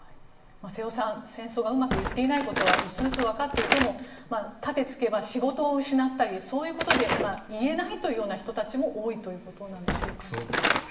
瀬尾さん、戦争がうまくいっていないことはうすうす分かっていてもたてつけば仕事を失ったりで言えないという人たちも多いということなんでしょうか。